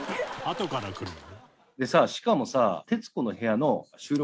「あとからくるよね」でさしかもさ。